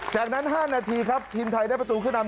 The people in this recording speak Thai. จากนั้น๕นาทีครับทีมไทยได้ประตูขึ้นนำ